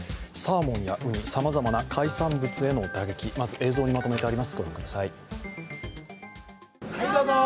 サーモンやウニ、さまざまな海産物への打撃まず映像にまとめてあります、御覧ください。